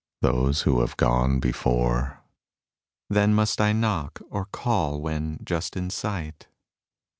Those who have gone before. Then must I knock, or call when just in sight?